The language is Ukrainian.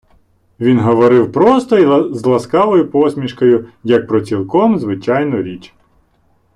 Він говорив просто й з ласкавою посмішкою, як про цілком звичайну річ.